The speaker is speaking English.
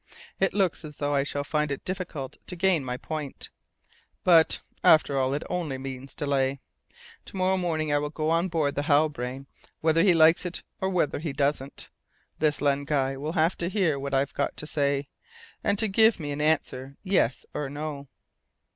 "It looks as though I shall find it difficult to gain my point. But, after all it only means delay. To morrow morning I will go on board the Halbrane. Whether he likes it or whether he doesn't, this Len Guy will have to hear what I've got to say, and to give me an answer, yes or no!"